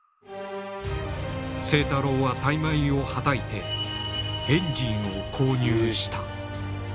清太郎は大枚をはたいてエンジンを購入した。